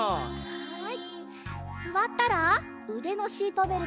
はい！